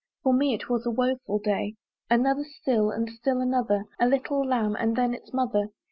For me it was a woeful day. Another still! and still another! A little lamb, and then its mother!